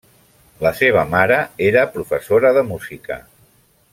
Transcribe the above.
La seva mare era professora de música.